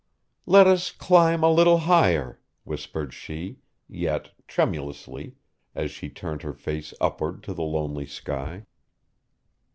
'Let us climb a little higher,' whispered she, yet tremulously, as she turned her face upward to the lonely sky.